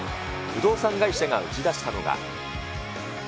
不動産会社が打ち出したのが。